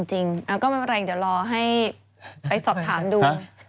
จริงก็ไม่เป็นไรเดี๋ยวรอให้ไปสอบถามดู